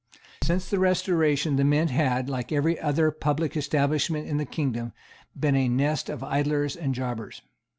Since the Restoration the Mint had, like every other public establishment in the kingdom, been a nest of idlers and jobbers.